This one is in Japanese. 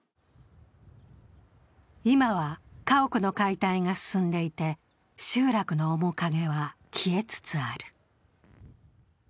今は家屋の解体が進んでいて集落の面影は消えつつある。